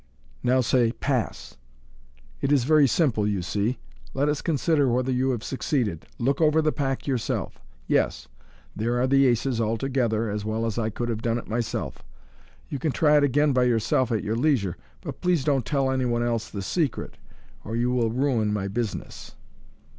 Now say • Pass ! It is very simple, you see. Let us see whether you have succeeded Look over the pack for yourself. Yes, there are the aces all together, as well as I could have done it myself. You can try it again by your self at your leisure, but please don't tell any one else the secret, or you will ruin my business.